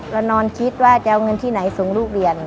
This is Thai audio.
เรานอนคิดว่าจะเอาเงินที่ไหนส่งลูกเรียน